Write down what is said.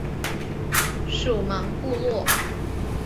属茫部路。